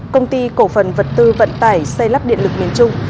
công ty cổ phần vật tư vận tải xây lắp điện lực miền trung